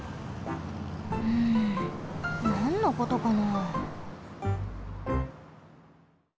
うんなんのことかな？